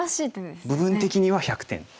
部分的には１００点。